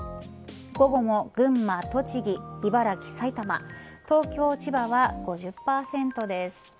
午後も群馬、栃木、茨城、埼玉東京、千葉は５０％です。